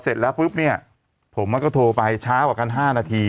พอเสร็จแล้วปุ๊บเนี่ยผมไม่ก็โทรไปเช้ากัน๕นาที